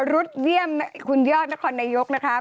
รุดเยี่ยมคุณยอดนครนายกนะคะ